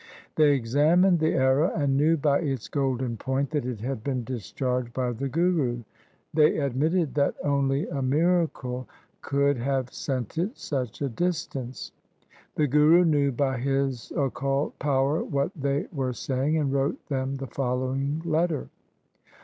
They examined the arrow and knew by its golden point that it had been discharged by the Guru. They admitted that only a miracle could have sent it such a distance. The Guru knew by his occult power what they were saying, and wrote them the following letter.